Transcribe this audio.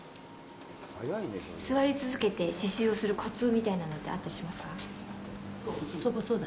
座り続けて刺しゅうをするコツみたいなのってあったりしますか。